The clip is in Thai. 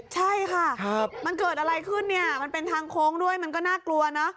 ใช่ค่ะมันเกิดอะไรขึ้นเนี่ยมันเป็นทางโค้งด้วยมันก็น่ากลัวเนอะ